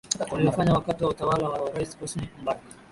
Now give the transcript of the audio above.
waliofanya wakati wa utawala wa rais hosni mubarak